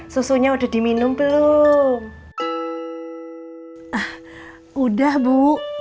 susunya udah diminum belum ah udah bu